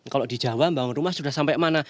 kalau di jawa membangun rumah sudah sampai mana